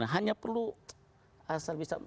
hanya perlu asal bisa